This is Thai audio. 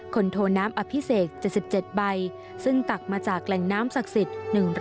โทน้ำอภิเษก๗๗ใบซึ่งตักมาจากแหล่งน้ำศักดิ์สิทธิ์